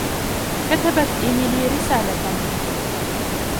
كتبت ايميلي رسالة.